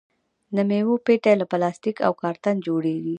د میوو پیټۍ له پلاستیک او کارتن جوړیږي.